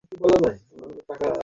আমাদের বসতিতে ফিরতে হবে, এক্ষুনি।